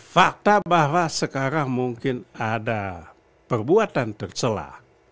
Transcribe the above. fakta bahwa sekarang mungkin ada perbuatan tercelah